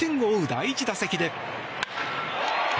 第１打席で。